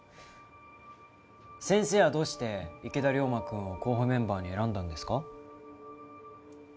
先生はどうして池田龍馬くんを候補メンバーに選んだんですか？